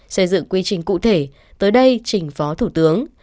xây dựng quy trình cụ thể tới đây trình phó thủ tướng